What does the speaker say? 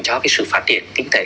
cho sự phát triển kinh tế